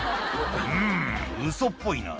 「うんウソっぽいな」